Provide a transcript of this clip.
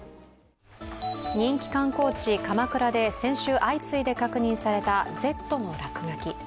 人気観光地・鎌倉まで先週相次いで確認された「Ｚ」の落書き。